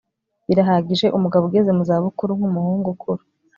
Birahagije umugabo ugeze mu za bukuru nkumuhungu ukura